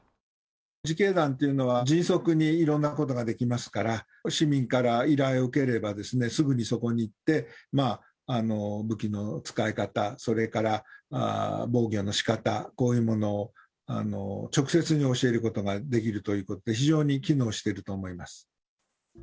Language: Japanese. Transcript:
自警団というのは、迅速にいろんなことができますから、市民から依頼を受ければ、すぐにそこに行って、武器の使い方、それから防御のしかた、こういうものを直接に教えることができるということで、非常に機能していると思います。